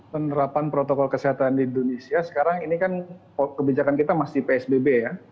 penerapan protokol kesehatan di indonesia sekarang ini kan kebijakan kita masih psbb ya